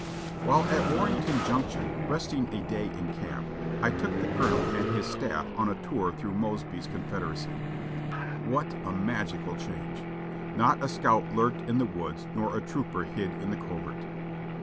While at Warrenton Junction, resting a day in camp, I took the Colonel and his staff on a tour through Mosby's Confederacy. What magical change ! not a scout lurked in the woods nor a trooper hid in the covert.